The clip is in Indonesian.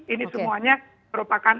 ini semuanya merupakan